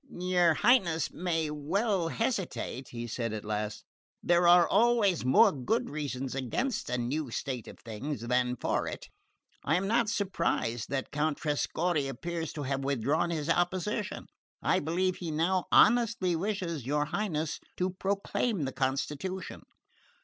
"Your Highness may well hesitate," he said at last. "There are always more good reasons against a new state of things than for it. I am not surprised that Count Trescorre appears to have withdrawn his opposition. I believe he now honestly wishes your Highness to proclaim the constitution."